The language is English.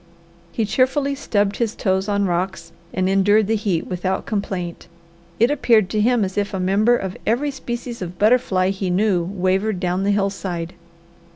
He cheerfully stubbed his toes on rocks, and endured the heat without complaint. It appeared to him as if a member of every species of butterfly he knew wavered down the hillside.